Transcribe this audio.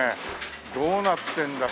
どうなってるんだか。